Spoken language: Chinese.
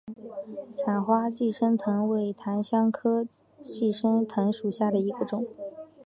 伞花寄生藤为檀香科寄生藤属下的一个种。